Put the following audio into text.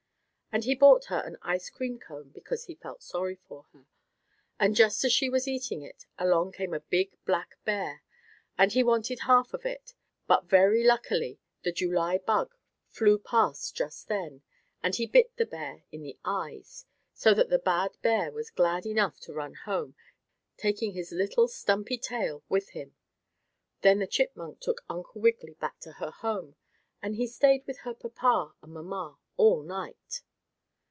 And he bought her an ice cream cone because he felt sorry for her. And, just as she was eating it, along came a big, black bear and he wanted half of it, but very luckily the July bug flew past just then, and he bit the bear in the eyes, so that the bad bear was glad enough to run home, taking his little stumpy tail with him. Then the chipmunk took Uncle Wiggily back to her home, and he stayed with her papa and mamma all night.